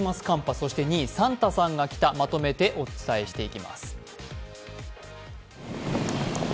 そして２位、サンタさん来た、まとめてお伝えしていきます。